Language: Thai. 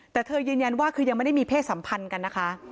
แต่เธอยืนยันว่าคือยังไม่ได้มีเพศสัมพันธ์กันนะคะ